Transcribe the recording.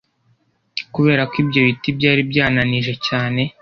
Kubera ko ibyo biti byari byananije cyane